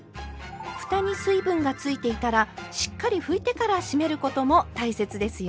ふたに水分がついていたらしっかり拭いてから閉めることも大切ですよ。